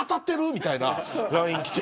みたいなＬＩＮＥ来て。